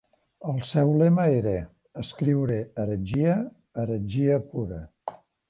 El seu lema era: "Escriure heretgia, heretgia pura.